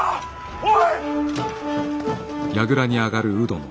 おい！